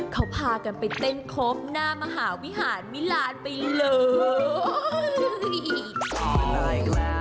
เขาพากันไปเต้นครบหน้ามหาวิหารมิลานไปเลย